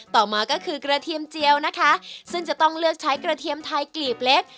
ต่อมาก็คือกระเทียมเจียวนะคะซึ่งจะต้องเลือกใช้กระเทียมไทยกลีบเล็ก